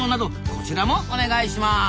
こちらもお願いします！